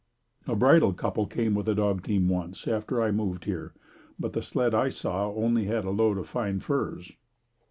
A bridal couple came with a dog team once, after I moved here, but the sled I saw only had a load of fine furs.